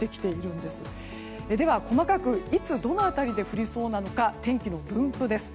では、細かくいつ、どの辺りで降りそうか天気の分布です。